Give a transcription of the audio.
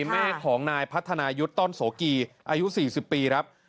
แม่ของนายพัฒนายุทธ์ต้อนโสกีอายุ๔๐ปีครับ